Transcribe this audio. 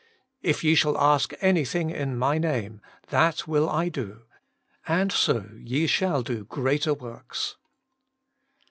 * If ye shall ask anything in My name, that zvill I do' and so ye shall do greater works.